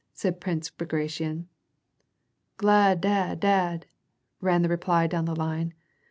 " said Prince Bagration. "Glad ad ad," * ran the reply down the line.